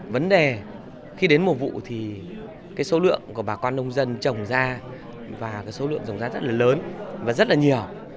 vấn đề khi đến mùa vụ thì cái số lượng của bà con nông dân trồng ra và cái số lượng dòng giá rất là lớn và rất là nhiều